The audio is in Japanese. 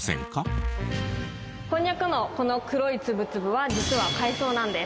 こんにゃくのこの黒いツブツブは実は海藻なんです。